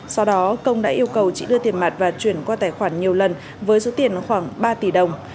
sau đó công đã yêu cầu chị đưa tiền mặt và chuyển qua tài khoản nhiều lần với số tiền khoảng ba tỷ đồng